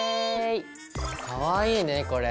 かわいいねこれ。